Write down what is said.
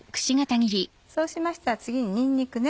そうしましたら次ににんにくね。